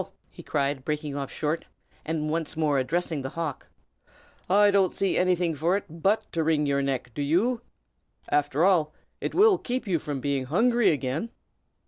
he cried, breaking off short, and once more addressing the hawk. "I don't see anything for it but to wring your neck, do you? After all, it will keep you from being hungry again."